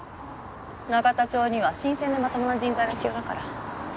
永田町には新鮮でまともな人材が必要だから。